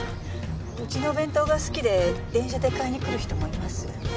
うちのお弁当が好きで電車で買いに来る人もいます。